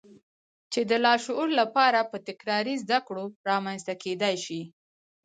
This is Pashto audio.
چې د لاشعور لپاره په تکراري زدهکړو رامنځته کېدای شي.